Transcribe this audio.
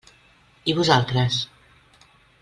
I vosaltres?